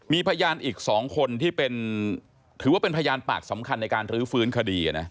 มีพยานอีก๒คนที่ถือว่าเป็นพยานปากสำคัญในการรื้อฟื้นคดี